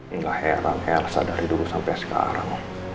enggak heran elsa dari dulu sampai sekarang